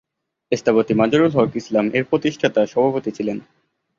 স্থপতি মাজহারুল ইসলাম এর প্রতিষ্ঠাতা সভাপতি ছিলেন।